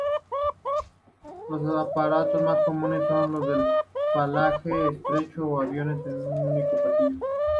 Los aparatos más comunes son los de fuselaje estrecho o aviones de único pasillo.